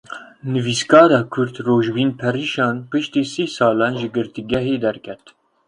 Nivîskara Kurd Rojbîn Perişan piştî sih salan ji girtîgehê derket.